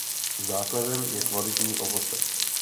Základem je kvalitní ovoce.